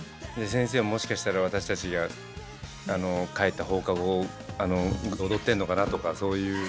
先生ももしかしたら私たちが帰った放課後踊ってるのかなとかそういう。